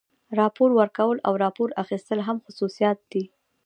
راپور ورکول او راپور اخیستل هم خصوصیات دي.